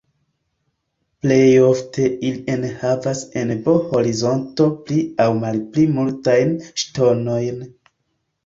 Plej ofte ili enhavas en B-horizonto pli aŭ malpli multajn ŝtonojn.